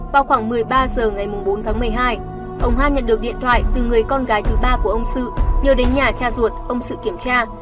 vào khoảng một mươi ba h ngày bốn tháng một mươi hai ông hoan nhận được điện thoại từ người con gái thứ ba của ông sự nhờ đến nhà cha ruột ông sự kiểm tra